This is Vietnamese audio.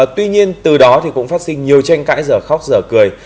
tuy nhiên từ đó thì cũng phát sinh nhiều tranh cãi giở khóc giở cười